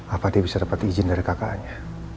apa dia bisa dapat izin dari kakaknya